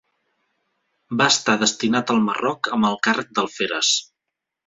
Va estar destinat al Marroc amb el càrrec d'alferes.